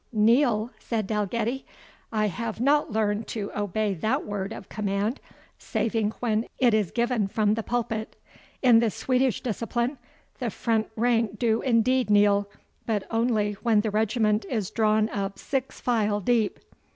"Kneel!" said Dalgetty; "I have not learned to obey that word of command, saving when it is given from the pulpit. In the Swedish discipline, the front rank do indeed kneel, but only when the regiment is drawn up six file deep."